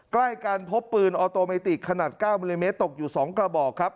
ใกล้กันพบปืนออโตเมติกขนาด๙มิลลิเมตรตกอยู่๒กระบอกครับ